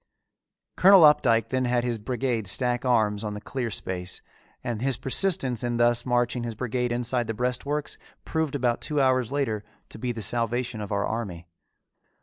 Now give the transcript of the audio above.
Colonel Opdycke then had his brigade stack arms on the clear space, and his persistence in thus marching his brigade inside the breastworks proved about two hours later to be the salvation of our army.